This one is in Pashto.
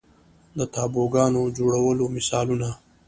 د تابوګانو جوړولو مثالونه